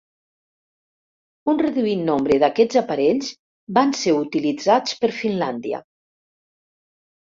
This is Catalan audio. Un reduït nombre d'aquests aparells van ser utilitzats per Finlàndia.